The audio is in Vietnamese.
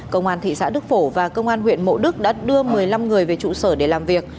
công an thị xã đức phổ và công an huyện mộ đức đã đưa một mươi năm người về trụ sở để làm việc